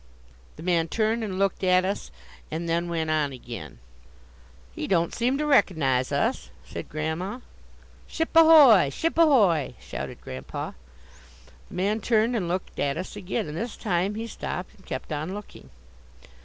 The man turned and looked at us, and then went on again. "He don't seem to recognize us," said Grandma. "Ship a hoy! Ship a hoy!" shouted Grandpa. The man turned and looked at us again, and this time he stopped and kept on looking.